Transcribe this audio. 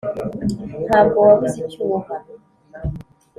Ntabwo wabuze icyo uwuha